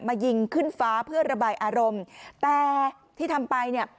ยิงขึ้นฟ้าเพื่อระบายอารมณ์แต่ที่ทำไปเนี่ย